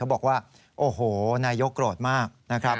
บอกว่าโอ้โหนายกโกรธมากนะครับ